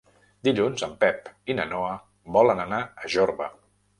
Dilluns en Pep i na Noa volen anar a Jorba.